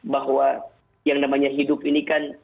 bahwa yang namanya hidup ini kan